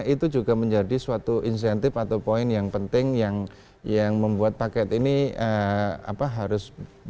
itu juga menjadi suatu insentif atau poin yang penting yang membuat paket ini harus